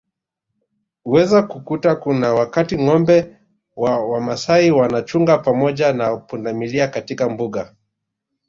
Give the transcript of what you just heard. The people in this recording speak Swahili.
Unaweza kukuta kuna wakati ngombe wa Wamasai wanachunga pamoja na pundamilia katika Mbuga